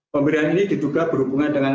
pemberian ini diduga berhubungan dengan